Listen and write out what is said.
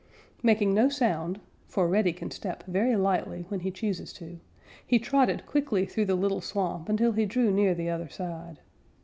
Making no sound, for Reddy can step very lightly when he chooses to, he trotted quickly through the little swamp until he drew near the other side.